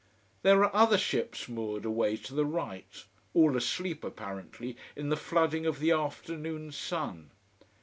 There are other ships moored away to the right: all asleep, apparently, in the flooding of the afternoon sun.